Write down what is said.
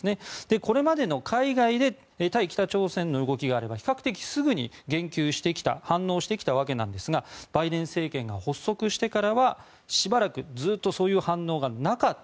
これまでは海外で対北朝鮮の動きがあれば比較的すぐに言及してきたんですがバイデン政権が発足してからは、しばらくずっとそういう反応がなかった。